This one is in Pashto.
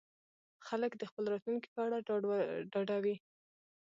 خلک د خپل راتلونکي په اړه ډاډه وي.